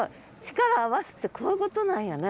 力を合わすってこういうことなんやね。